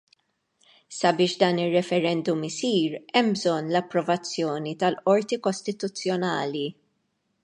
Sabiex dan ir-referendum isir hemm bżonn l-approvazzjoni tal-Qorti Kostituzzjonali.